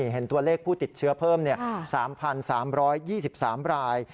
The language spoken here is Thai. เห็นตัวเลขผู้ติดเชื้อเพิ่ม๓๓๒๓ราย